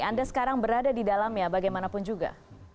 anda sekarang berada di dalamnya bagaimanapun juga